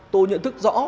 tôi nhận thức rõ